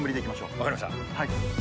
Α分かりました。